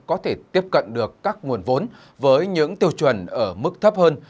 có thể tiếp cận được các nguồn vốn với những tiêu chuẩn ở mức thấp hơn